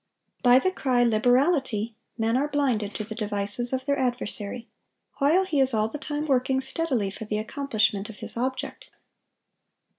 By the cry, Liberality, men are blinded to the devices of their adversary, while he is all the time working steadily for the accomplishment of his object.